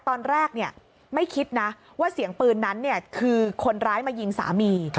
ตอนแรกไม่คิดนะว่าเสียงปืนนั้นคือคนร้ายมายิงสามี